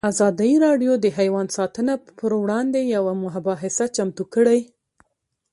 ازادي راډیو د حیوان ساتنه پر وړاندې یوه مباحثه چمتو کړې.